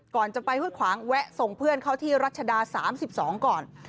ก่อนจะไปห้วยขวางแวะส่งเพื่อนเขาที่รัชดา๓๒ก่อน